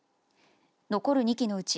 残る２基のうち